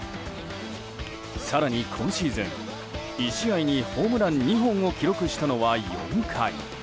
更に今シーズン、１試合にホームラン２本を記録したのは４回。